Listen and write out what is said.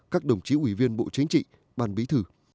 các đồng chí ủy viên bộ chính trị ban bí thư